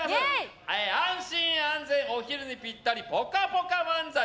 安心安全、お昼にぴったりぽかぽか漫才